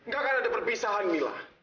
gak akan ada perpisahan milah